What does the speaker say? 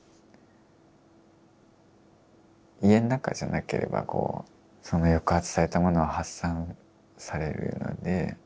家の中じゃなければその抑圧されたものを発散されるので。